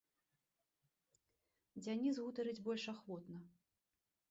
Дзяніс гутарыць больш ахвотна.